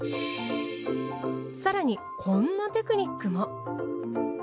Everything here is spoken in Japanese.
更にこんなテクニックも。